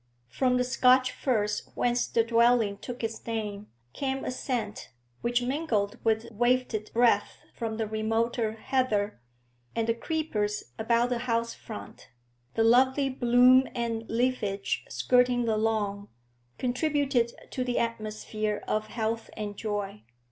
From the Scotch firs whence the dwelling took its name came a scent which mingled with wafted breath from the remoter heather, and the creepers about the house front, the lovely bloom and leafage skirting the lawn, contributed to the atmosphere of health and joy.